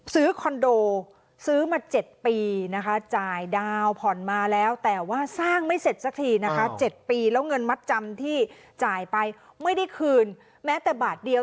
คอนโดซื้อมา๗ปีนะคะจ่ายดาวน์ผ่อนมาแล้วแต่ว่าสร้างไม่เสร็จสักทีนะคะ๗ปีแล้วเงินมัดจำที่จ่ายไปไม่ได้คืนแม้แต่บาทเดียว